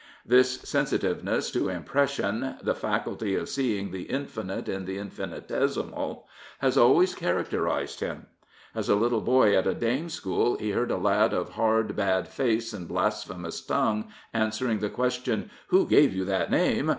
This sensitiveness to impression, the faculty of seeing the infinite in the infinitesimal, has always characterised him. As a little boy at a dame school he heard a lad of hard, bad face and blasphemous tongue answering the question, Who gave you that name?